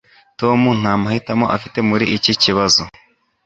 tom nta mahitamo afite muri iki kibazo